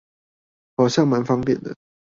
好像滿方便的